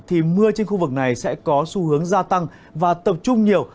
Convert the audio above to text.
thì mưa trên khu vực này sẽ có xu hướng gia tăng và tập trung nhiều